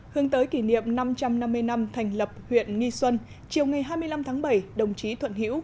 hướng tới kỷ niệm năm trăm năm mươi năm thành lập huyện nghi xuân chiều ngày hai mươi năm tháng bảy đồng chí thuận hữu